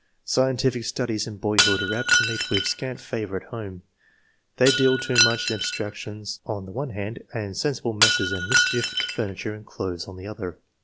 Scientific studies in boyhood are apt to meet with scant favour at home ; they deal too much in abstractions on the one hand, and sensible messes and mischief to furniture and clothes on the other.